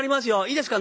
いいですか？